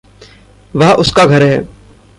वह उसका घर है।